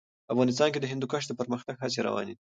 افغانستان کې د هندوکش د پرمختګ هڅې روانې دي.